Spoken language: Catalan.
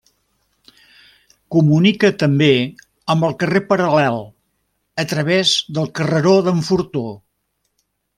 Comunica també amb el carrer paral·lel, a través del carreró d'en Fortó.